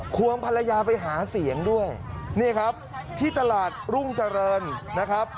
วงภรรยาไปหาเสียงด้วยนี่ครับที่ตลาดรุ่งเจริญนะครับ